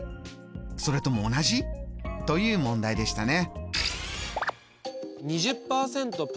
それとも同じ？」という問題でしたね。